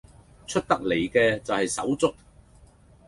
出得嚟嘅就係手足